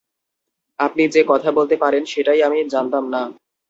আপনি যে কথা বলতে পারেন, সেটাই আমি জানতাম না।